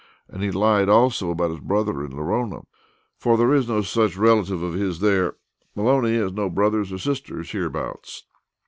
And he lied also about his brother in Lorona, for there is no such relative of his there; Maloney has no brothers or sisters hereabouts."